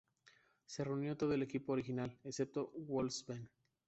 Se reunió todo el equipo original, excepto Wolfsbane.